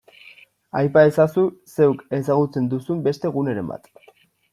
Aipa ezazu zeuk ezagutzen duzun beste guneren bat.